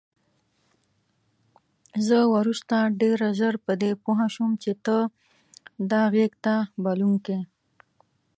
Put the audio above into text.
زه وروسته ډېره ژر په دې پوه شوم چې ته دا غېږ ته بلونکی.